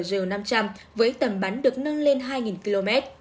r năm trăm linh với tầm bắn được nâng lên hai km